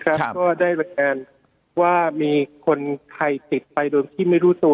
ครับก็ได้บัญการว่าคนใครติดไปโดยไม่รู้ตัว